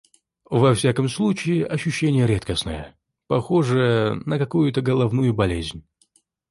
Во всяком случае, ощущение редкостное, похожее на какую-то головную болезнь.